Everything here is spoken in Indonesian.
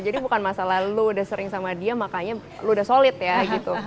jadi bukan masalah lo udah sering sama dia makanya lo udah solid ya gitu